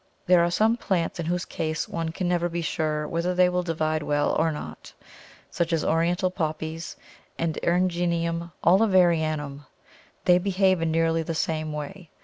There are some plants in whose case one can never be sure whether they will divide well or not, such as Oriental Poppies and Eryngium Oliverianum. They behave in nearly the same way.